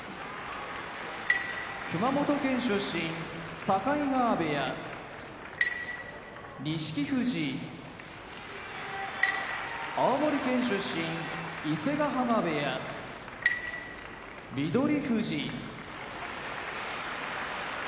熊本県出身境川部屋錦富士青森県出身伊勢ヶ濱部屋翠富士静岡県出身